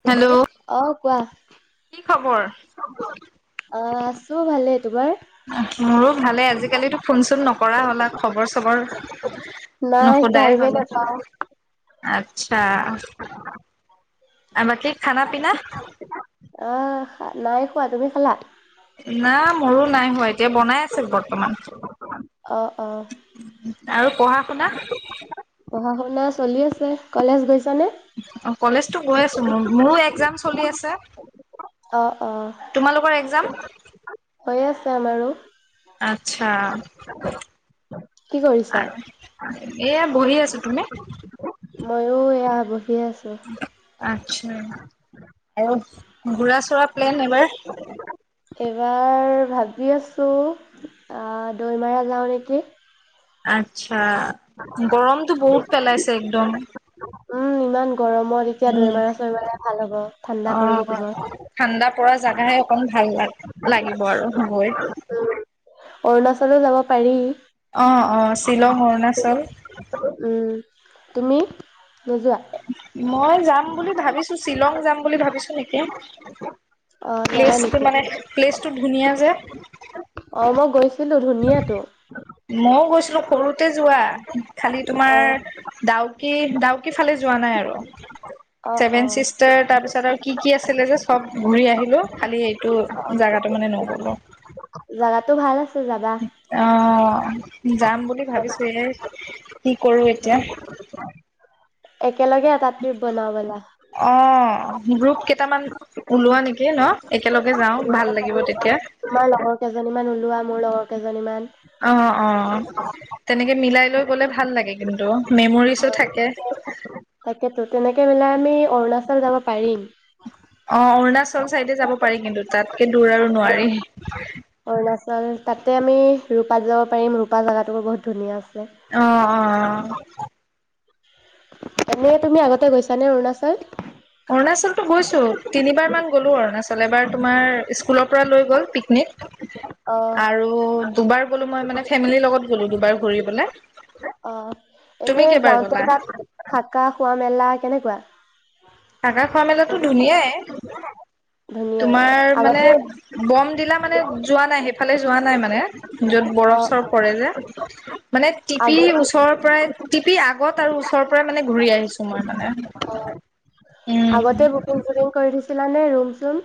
Hello অ' কোৱাহ কি খবৰ চব ভালে তোমাৰ মোৰো ভালে আজি কালি ফোন চোন নকৰা হ'লা খবৰ চবৰ নাই নোশোধাই টাইমে হ'লা নাপাওঁ আচছা আমাকে খানা পিনা আহ নাই খোৱা তুমি খালা না মোৰো নাই হোৱা এতিয়া বনাই আছে বৰ্তমান অ অ আৰু পঢ়া শুনা পঢ়া শুনা চলি আছে কলেজ গৈছা নে? অ' কলেজ টো গৈ আছো মোৰ এক্জাম চলি আছে অ অ তোমালোকৰ এক্জাম কাম আৰু আচ্ছা কি কৰিছা আৰু এয়া বহি আছো তুমি? ময়ো এয়া হ'বো বি আছে আচ্ছা আৰু ঘোৰা চৰা প্লেন এবাৰ এইবাৰ ভাবি আছোঁ দৈমাৰা যাওঁ নেকি আচ্ছা গৰমতটো বহুত পেলাইছে একদম উম ইমান গৰমত এতিয়া উম দৈমাৰা চৈমাৰা ভাল হ'ব ঠাণ্ডা পৰি অহ থাকিব ঠাণ্ডা পৰা জাগাহে অকন ভাল ল লাগিব আৰু গৈ উম অৰুণাচলো যাব পাৰি অ' অ' শ্বিলং অৰুণাচল উম তুমি নোযোৱা মই যাম বুলি ভাবিছো শ্বিলং যাম বুলি ভাবিছো নেকি অ', জানা প্লেচটো নেকি? মানে প্লেচটো ধুনীয়া যে অ' মই গৈছো। কিন্তু ধুনীয়া টো মইও গৈছিলো সৰুতে যোৱা খালি তোমাৰ ডাউকি ডাউকি ফালে যোৱা নাই আৰু অ', ছেভেন অ', চিষ্টাৰ তাৰপিছত আৰু কি কি আছিলে যে চব ঘূৰি আহিলো খালি এইটো জাগাটো মানে নগ'লো জাগাটো ভাল আ অ' যাম বুলি। বুলি ভাবিছো এ কি কৰো এতিয়া এক একেলগে এটা ত্ৰিপ বনাও বলা অ', গ্ৰুপ কেইটামান ওলোৱা নেকি ন? একেলগে যাওঁ ভাল লাগিব তেতিয়া। তোমাৰ লগৰ কেইজনী মান ওলোৱা মোৰ লগত কেইজনীমান অ' অ' তেনেকে মিলাই লৈ গলে ভাল লাগে কিন্তু মেমৰিজো থাকে লে আমি অৰুণাচল যাব পাৰিম অ' অৰুণাচল চাইডে যাব পাৰি কিন্তু তাতকে দূৰ আৰু নোৱাৰি অৰুণাচল তাতে আমি ৰূপাত যাব পাৰিম ৰূপা জেগাত টো বহুত ধুনীয়াছে অহ অহ অহ এনে তুমি আগতে গৈছ নে অৰুণাচল? অৰুণাচলটো গৈছো তিনিবাৰ মান গ'লো অৰুণাচল এবাৰ তোমাৰ স্কুলৰ পৰা লৈ গ'ল পিকনিক অ', আৰু দুবাৰ গ'লো মই মানে ফেমিলিৰ লগত গলো দুবাৰ, ঘূৰিবলৈ অ', এনে তুমি কেইবাৰ যাওঁতে গ'লা? তাত থাকা খোৱা মেলা কেনেকুৱা? থকা খোৱা মেলা টো ধুনীয়াই ধুনীয়াই অ', তোমাৰ মানে আগতে বম দিলা টো মানে যোৱা নাই সেইফালে যোৱা নাই মানে যত বৰফ অ চৰফ পৰে যে মানে টিপি আগতে ওচৰৰ পৰাই টিপি আগত আৰু ওচৰ মানে ঘূৰি আহিছো মই মানে উম আগতে বুকিং চুকিং কৰি দিছো ছিলানে ৰুম চোম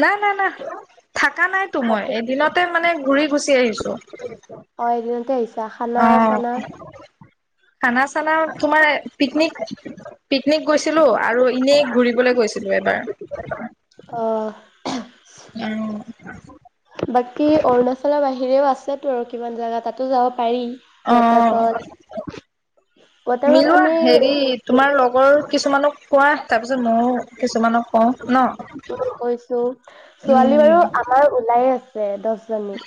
ন না না থাকা নাই টো মই তাতে এদিনতে মানে ঘূৰি গুচি আহিছো, অ এদিনতে আহিছা খানা আহ চানা খানা চানা তোমাৰ পিকনিক পিকনিক গৈছিলো আৰু এনেই ঘূৰিবলৈ গৈছিলো এবাৰ । অ' উম বাকী অৰুণাচলৰ বাহিৰেও আছেতো আৰু কিমান জাগা তাতো যাওঁ অ' ৱাটাৰফল মিলোৱা আমি হেৰি তোমাৰ লগৰ কিছুমানক কোৱা তাৰপিছত ময়ো কিছুমানক কওঁ ন কৈছো ছোৱালী উম বাৰু আমাৰ ওলাইে আছে দহ জনী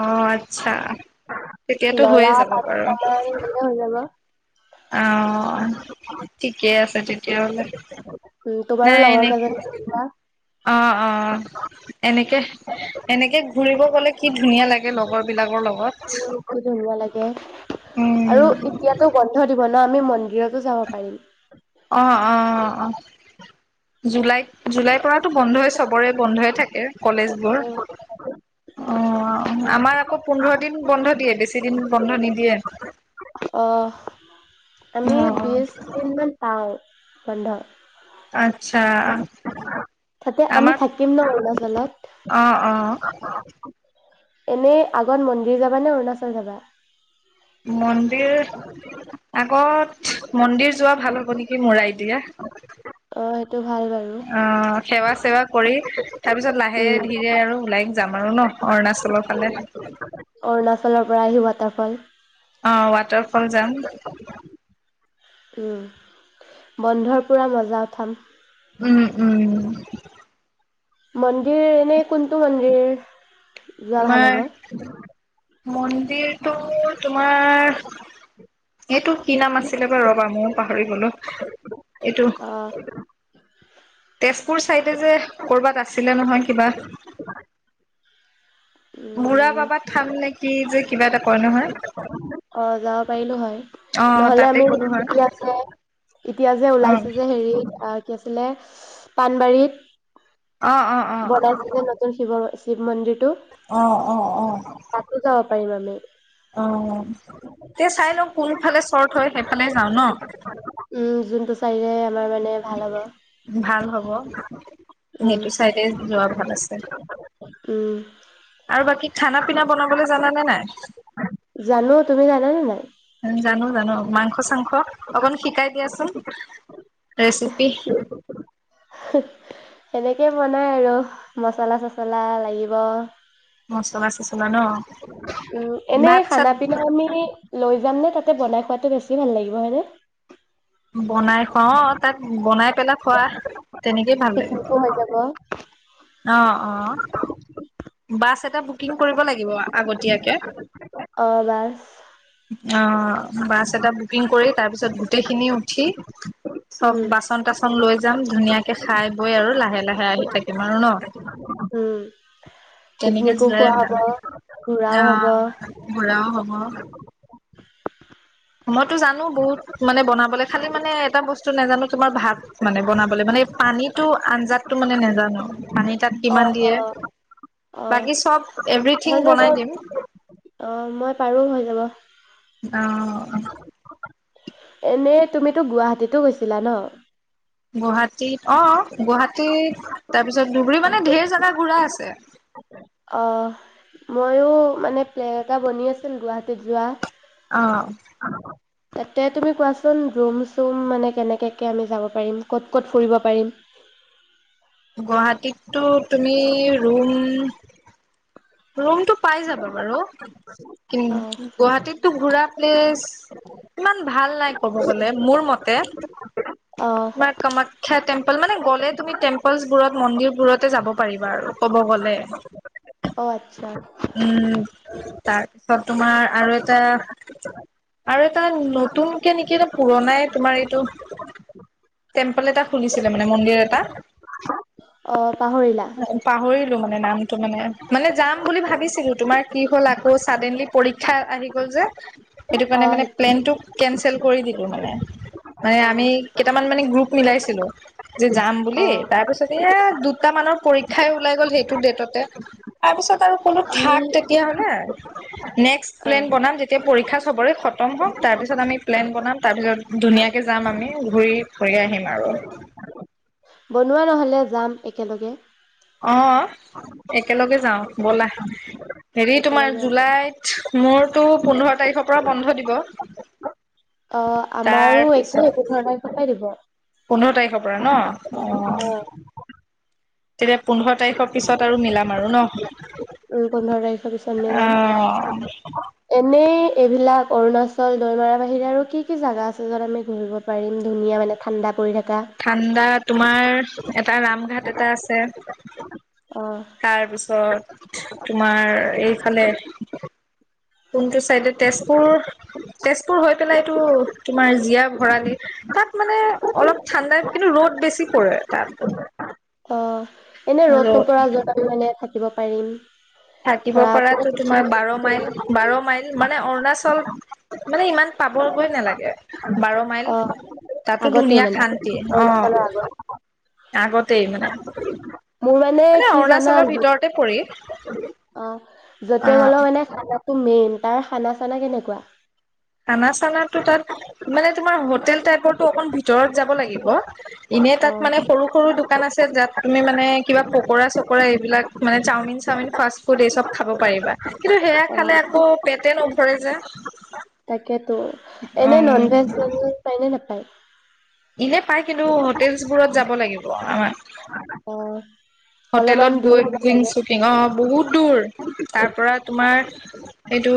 অ আচ্ছা তেতিয়াতো হৈয়ে লৰা যাব পাঁচ বাৰু টা মান এ হৈ যাব। অ' ঠিকে আছে তেতিয়াহলে উম তোমাৰো নাই লগৰ এনে কেইজনী আহিবা অ' অ' এনেকে এনেকে ঘূৰিব গলে কি ধুনীয়া লাগে লগৰ বিলাকৰ লগত উম ধুনীয়া কি আৰু উম এতিয়াতো বন্ধ দি ব ন', আমি মন ন্দিৰতো যাব পাৰিম। অ' - অ' - অ'। জু জুলাইত। জুলাইৰ পৰাতো বন্ধই, চবৰে বন্ধই থাকে কলেজবোৰ । অ' আমাৰ আকৌ পোন্ধৰ দিন বন্ধ দিয়ে, বেছি দিন বন্ধ নিদিয়ে অ আমি । অ'। বিশ দিন মান পাওঁ বন্ধ। আ তাতে আমি আমাৰ থাকিম ন' অৰুণাচলত। অ অ এনে আগত মন্দিৰ যাবা নে অৰুণাচল যাবা? মন্দিৰ আগত মন্দিৰ যোৱা ভাল হ'ব নেকি? মোৰ আইদিয়া? হয়। অ' সেৱা-চেৱা কৰি, তাৰপিছত উম লাহে-ধীৰে আৰু ওলাই যাম আৰু ন', অৰুণাচলৰ ফালে। তলৰ পৰা আহি ৱাটাৰফল অ' ৱাটাৰফল যাম। উম । বন্ধৰ পুৰা মজা উঠাম। উম - উম। মন্দিৰ এনে কোনটো মন্দিৰ যোৱা ভাল হ'ব? মন্ দিৰটো তোমাৰ এইটো কি নাম আছিলে বাৰু, ৰ'বা ম‌য়ো পাহৰি গলোঁ। এইটো অ তেজপুৰ ছাইডে যে কৰ'বাত আছিলে নহয়, কিবা? বুঢ়া উম। বাবা থান নে কি যে কিবা এটা কয় নহয় অ' যাব পাৰিলোঁ হয় । অ নহলে তাতে আমি গ'লো হয় এতিয়া যে- এতিয়া যে অ ওলাইছোঁ যে হেৰিত অ'- কি আছি লে পানবাৰীত। অ অ অ গণেশ কো নতুন শিৱ শিৱ মন্দিৰ। তো, অ অ তাতো যাৱ পাৰি মানে। অ' । এ চাই লওঁ। কোনফালে শ্ব'ৰ্ট হয়, সেইফালে যাওঁ ন'? উম, যোনটো ছাইডে আমাৰ মানে ভাল হ'ব, ভাল হ'ব উম। সেইটো চাইডে যোৱা ভাল আছে। উম আৰু বাকী খানা পিনা বনাবলৈ জানানে নাই, জানো তুমি জানানে নাই জানো জানো মাংস চাংস অকন শিকাই দিয়াচোন, ৰেচিপি। সে সেনেকে মন নাই আৰু মচলা চচলা লাগিব। মচলা চচলা ন উম এনেই ভাত চাত খানা পিনা আমি লৈ যাম নে? তাতে বনাই খোৱাতটো বেছি ভাল লাগিব হয়নে । বনাই খুৱা তাক বনাই পেলাই খোৱা তেনেকেই ভাল লাগিব। পিকনিকো হৈ যাব অৱ অৱ বাছ এটা বুকিং কৰিব লাগিব আগতীয়াকে, অ বাছ অৱ অৱ, বাছ এটা বুকিং কৰি তাৰপিছত গোটেইখিনি উঠি চব উম বাচন তাচন লৈ যাম ধুনীয়াকে খাই বৈ আৰু লাহে লাহে আহি থাকিম। তোমাৰো ন, উম কেনেকে পিকনিকো যে খোৱা হ'ব ঘূৰাও হ'ব আৱ ঘূৰাও হব। মইতটো জানো বহুত মানে বনাবলে খালি মানে এটা বস্তু নাজানো তোমাৰ ভাত মানে বনাবলে মানে পানীতটো অন্দাছ টো মানে। নেজানো পানী তাত অ কিমান অ দিয়ে, অ বাকী চব এভিৰিথিং হৈ যাব বনাই দিম। অ মই পাৰো হৈ যাব। আৱ এনেই তুমিতো গুৱাহাটীতো গৈছিলা ন? গুৱাহাটীত অৱ গুৱাহাটীত তাৰপিছত ধুবুৰী মানে ধেই জাগা ঘূৰা আছে। অহ ময়ো মানে প্লেইন এটা বনি আছিল গুৱাহাটীত যোৱা। অ তাতে তুমি কোৱাচোন ৰুম চুম মানে কেনেকাকে আমি যাব পাৰিম ক'ত ক'ত ফুৰিব পাৰিম? গুৱাহাটীতটো তুমি ৰুম ৰুমটো পাই যাবা বাৰু, অ গুৱাহাটীতটো ঘুৰা প্লেচ ইমান ভাল নাই, ক'ব গ'লে মোৰ মতে, মই কামাখ্যা টেম্পল মানে গ'লে তুমি টেম্পলচ বোৰত, মন্দিৰবোৰতে যাব পাৰিবা আৰু ক'ব গ'লে হয় আচ্ছা উম, তাৰপিছত তোমাৰ আৰু এটা, আৰু এটা নতুনকে নেকি নে পুৰণাই তোমাৰ এইটো টেম্পল এটা খুলিছিলে মানে মন্দিৰ এটা। অঁ পাহৰিলা টেম্পল মানে নামটো মানে মানে যাম বুলি ভাবিছিলো তোমাৰ, কি হ'ল আকৌ ছাডেনলি পৰীক্ষা আহি গ'ল যে, সেইটো অ কাৰণে মানে, সেইটো প্লেনটো কেঞ্চেল কৰি দিলোঁ। সেইটো মানে মানে অ আমি কেইটামান মানে গ্ৰুপ মিলাইছিলো। যে যাম অ বুলি তাৰপিছত এয়া দুটা দুটা মানৰ পৰীক্ষাই ওলাই গ'ল, সেইটো ডেটতে তাৰপিছত। বাৰু কলোঁ আমি থাক তেতিয়া হ'লে নেক্সট অ প্লেন বনাম, যেতিয়া পৰীক্ষা সবৰে খতম হক তাৰপিছত আমি প্লেন বনাম তাৰপিছত ধুনীয়াকে যাম আমি ঘূৰি ফুৰি আহিম আৰু বনোৱা নহ'লে যাম একেলগে অঁ একেলগে যাওঁ বলা । হেৰি তোমাৰ একেলগে জুলাইত। মোৰতো পোন্ধৰ তাৰিখৰ পৰা বন্ধ দিব। অ তাৰ আমাৰো একেই পিছত পোন্ধৰ তাৰিখৰ পৰাই দিব। পোন্ধৰ তাৰিখৰ পৰা ন অ অঁ। তেতিয়া পোন্ধৰ তাৰিখৰ পিছত আৰু মিলাম আৰু ন। ওম পোন্ধৰ তাৰিখৰ পিছত অ মিলাম। এনেই এইবিলাক অৰুণাচল, দৈমাৰা বাহিৰে আৰু কি কি জাগা আছে য'ত আমি ঘূৰিব পাৰিম ধুনীয়া মানে ঠাণ্ডা পৰি থাকে। ঠাণ্ডাত- তোম অ তাৰপিছত, তোমাৰ এইফালে কোনটো চাইডে তেজপুৰ তেজপুৰ হৈ পেলাই এইটো তোমাৰ জীয়া ভৰালি তাত মানে অলপ ঠাণ্ডা কিন্তু ৰ'দ বেছি পৰে তাত। অ', এনে ৰ'দ নপৰা য'ত আমি মানে থাকিব । থাকিব পাৰিম। থাকিব ধৰা পুৰা পৰাতো, চিল তোমাৰ বাৰ মাইল পৰিৱেশ। বাৰ মাইল। মানে অৰুণাচল মানে ইমান পাব গৈ নেলাগে। বাৰ মাইল অ তাতো আগতে ধুনীয়া মানে শান্তিয়ে অ অৰুণাচলৰ আগত আগতেই মানে মোৰ মানে কি জানা অৰুণাচলৰ আৰু ভিতৰতে পৰি অ অ যতে গ'লেও মানে খা তো মেইন তাৰ খানা চানা কেনেকুৱা খানা চানাটো তাত মানে তোমাৰ হোটেল টাইপৰটো অকন ভিতৰত যাব লাগিব এনেই অ তাত মানে সৰু সৰু দোকান আছে য'ত তুমি মানে কিবা পকৰা চকৰা এইবিলাক মানে চাওমিন চাওমিন ফাষ্ট ফুড এই চব খাব পাৰিবা কিন্তু সেয়া খালে অ আকৌ পেটে নভৰে যে। ঠেৎ এনে নন উম ভেজ চন ভেজ পাই নে নাপাই। হয় ইনে পায় কিন্তু হোটেল চোটৈলত যাব লাগিব। অ অলপমান হোটেলত দূৰ গৈ হ'ব বুকিং চাগে শ্বুটিং অ বহুত দূৰ তাৰ পৰা তোমাৰ সেইটো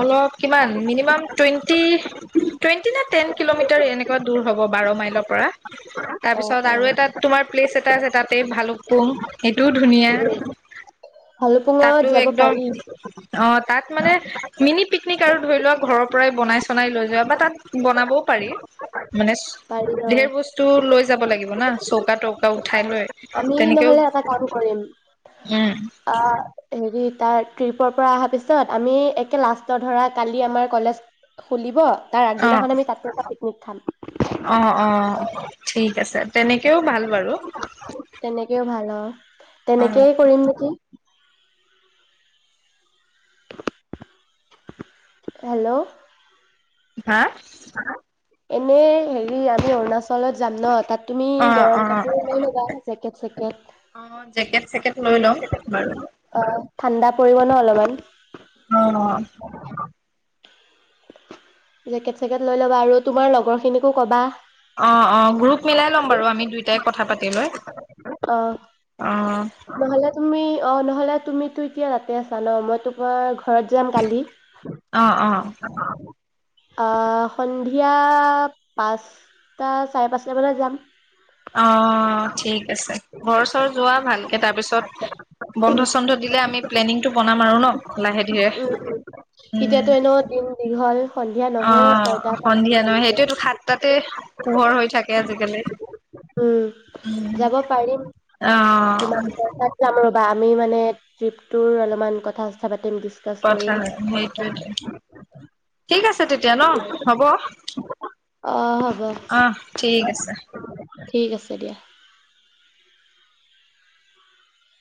অলপ কিমান মিনিমাম টুৱেন্টি নে টেন কিলোমিটাৰ এনেকুৱা দূৰ হ'ব বাৰ মাইলৰ পৰা অ তাৰপিছত আৰু এটা তোমাৰ প্লেচ এটা আছে তাতে ভালোক কম সেইটোও ধুনীয়া অ ভালুপুঙত তাতো যাব একদম পাৰি অ তাত মানে মিনি পিকনিক আৰু ধৰি লোৱা ঘৰৰ পৰাই বনাই চনাই লৈ যোৱা বা তাত বনাবও পাৰি মানে পাৰি অ ধেৰ বস্তু লৈ যাব লাগিব ন চৌকা তৌকা উঠাই লৈ আমি তেনেকেও নহলে এটা কাম কৰিম উম, আহ হেৰি তাৰ ট্ৰিপৰ পৰা অহা পিছত আমি একে লাষ্টত ধৰা কালি আমাৰ কলেজ খুলিব তাৰ অ', আগদিনাখন আমি তাত এটা পিকনিক খাম। অ অ ঠিক আছে তেনেকেও ভাল বাৰু তেনেকেও ভাল আৰু অ', তেনেকেই কৰিম নেকি? হেল্ল' হা এনে হেৰি আমি অৰুণাচলত যাম ন তাত তুমি অ', গৰম অ', কাপোৰ লৈ লবা জেকেট চেকেট অ', জেকেট চেকেট লৈ লম বাৰু অ ঠাণ্ডা পৰিব ন অলপমান অ জেকেট চেকেট লৈ ল'বা আৰু তোমাৰ লগৰ খিনিকো কবা অ অ গ্ৰুপ মিলাই ল'ম বাৰু আমি দুইটাই কথা পাতি লৈ অ অ', নহলে তুমি অ নহলে তুমিতো এতিয়া তাতে আছা ন মই তোমাৰ ঘৰত যাম কালি অ', অ', অহ সন্ধিয়া পাঁচটা চাৰে পাঁচটা বজাত যাম অ ঠিক আছে ঘৰ চৰ যোৱা ভালকে তাৰপিছত বন্ধ চন্ধ দিলে আমি প্লেনিংটো বনাম আৰু ন লাহে ধীৰে উম এতিয়াতো এনেও দিন দীঘল সন্ধিয়া অ নহয়ে ছয়টা চাৰে সন্ধিয়া নহয় ছয়টালৈকে সেইটোয় তো সাতটাতে পোহৰ হৈ থাকে আজিকালি উম উম যাব পাৰিম অ তোমালোকৰ তাত [unintelligible] মানে ট্ৰিপটোৰ অলপমান কথা-চথা পাতিম। ডিচকাচ কথা, কৰিম সেইটোৱেতো। ঠিক আছে তেতিয়া ন, হ'ব? অ হ'ব অহ, ঠিক আছে। ঠিক আছে দিয়া।